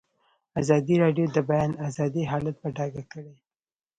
ازادي راډیو د د بیان آزادي حالت په ډاګه کړی.